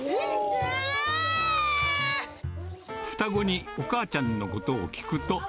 双子にお母ちゃんのことを聞くと。